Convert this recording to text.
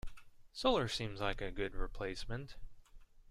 Solar seems like a good replacement.